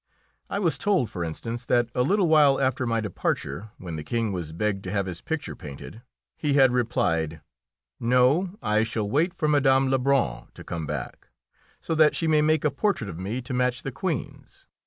I was told, for instance, that a little while after my departure, when the King was begged to have his picture painted, he had replied: "No, I shall wait for Mme. Lebrun to come back, so that she may make a portrait of me to match the Queen's.